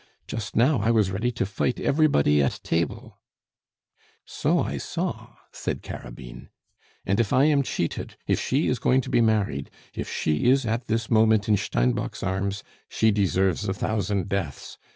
Just now, I was ready to fight everybody at table " "So I saw," said Carabine. "And if I am cheated, if she is going to be married, if she is at this moment in Steinbock's arms, she deserves a thousand deaths!